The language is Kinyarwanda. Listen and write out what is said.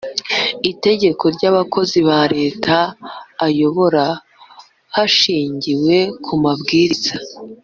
Itegeko ry’abakozi ba Leta ayobora hashingiwe ku mabwiriza